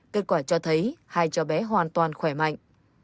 kết quả cho thấy hai cháu bé hoàn toàn khỏe mạnh